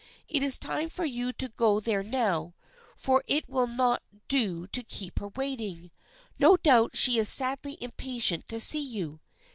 It is time for you to go there now, for it will not do to keep her waiting. No doubt she is sadly impatient to see you.